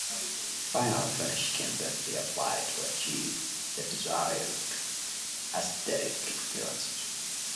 A final finish can then be applied to achieve the desired aesthetic appearance.